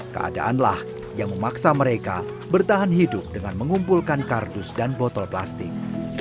keadaanlah yang memaksa mereka bertahan hidup dengan mengumpulkan kardus dan botol plastik